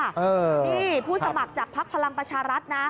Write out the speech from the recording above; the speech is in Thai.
นี่พูดสมัครจากพักพลังปชารัฐนะ